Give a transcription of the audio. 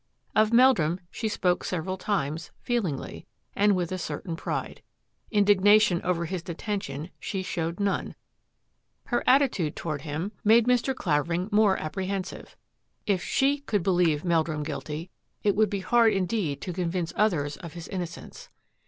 Of Meldrum she spoke several times, feelingly, and with a certain pride. Indignation over his deten tion she showed none. Her attitude toward him 224 THAT AFFAIR AT THE MANOR made Mr. Clavering more apprehensive. If she could beKeve Meldrum guilty, it would be hard indeed to convince others o£ his innocence.